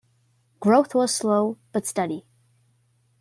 Growth was slow but steady.